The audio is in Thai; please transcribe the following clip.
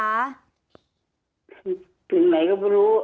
ถึงไหนก็ไม่รู้